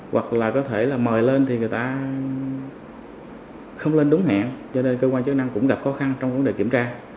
hoặc là có thể là mời lên thì người ta không lên đúng hẹn cho nên cơ quan chức năng cũng gặp khó khăn trong vấn đề kiểm tra